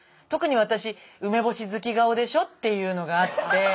特に私「梅干し好き顔でしょ」っていうのがあって。